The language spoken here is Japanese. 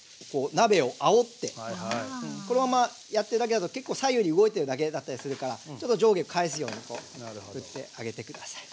このままやってるだけだと結構左右に動いてるだけだったりするからちょっと上下返すように振ってあげて下さい。